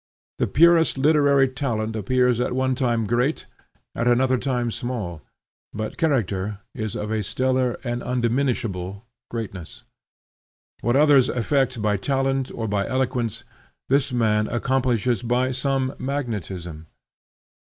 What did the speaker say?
The purest literary talent appears at one time great, at another time small, but character is of a stellar and undiminishable greatness. What others effect by talent or by eloquence, this man accomplishes by some magnetism.